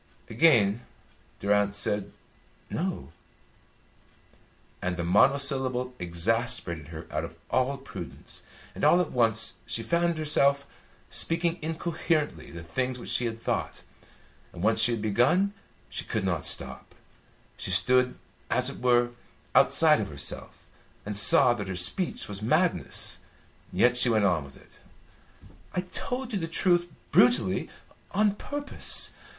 Again Durrance said "No," and the monosyllable exasperated her out of all prudence, and all at once she found herself speaking incoherently the things which she had thought. And once she had begun, she could not stop. She stood, as it were, outside of herself, and saw that her speech was madness; yet she went on with it. "I told you the truth brutally on purpose.